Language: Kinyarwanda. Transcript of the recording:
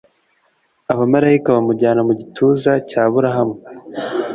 abamarayika bamujyana mu gituza d cya Aburahamu